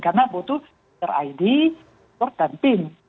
karena butuh id port dan pin